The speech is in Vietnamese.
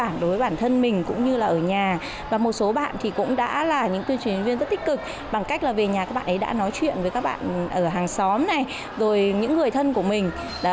mỗi học sinh đã trở thành một tuyên truyền viên rất tích cực bằng cách là về nhà các bạn ấy đã nói chuyện với các bạn ở hàng xóm này rồi những người thân của mình